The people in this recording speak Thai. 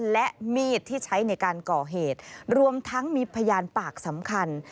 และมีดที่ใช้ในการก่อเหตุรวมทั้งมีพยานปากสำคัญ